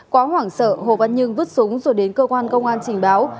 quá hoảng sợ hồ văn nhân vứt súng rồi đến cơ quan công an trình báo